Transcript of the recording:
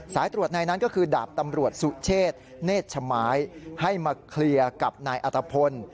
สายตรวจในนั้นก็คือดาบตำรวจสุเชษเนธชไม้ให้มาเคลียร์กับนายอัตภพล